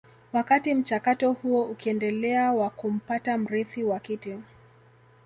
Wakati mchakato huo ukiendelea wa kumpata mrithi wa kiti